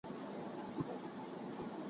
شپه او ورځ وو په رنګینو لباسو کي